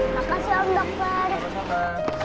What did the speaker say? makasih ya dokter